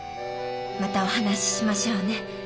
またお話ししましょうね。